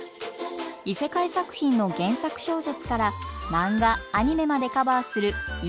異世界作品の原作小説からマンガアニメまでカバーする伊織もえさん。